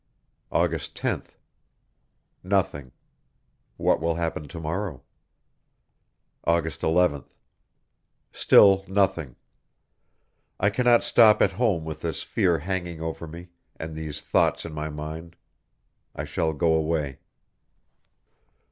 August 10th. Nothing; what will happen to morrow? August 11th. Still nothing; I cannot stop at home with this fear hanging over me and these thoughts in my mind; I shall go away.